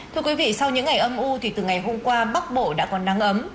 thưa quý vị sau những ngày âm u thì từ ngày hôm qua bắc bộ đã còn nắng ấm